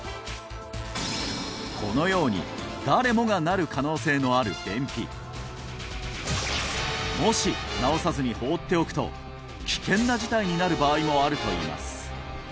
このように誰もがなる可能性のある便秘もし治さずに放っておくと危険な事態になる場合もあるといいます